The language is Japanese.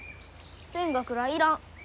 勉学らあいらん。